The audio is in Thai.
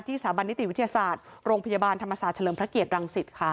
สถาบันนิติวิทยาศาสตร์โรงพยาบาลธรรมศาสตร์เฉลิมพระเกียรติรังสิตค่ะ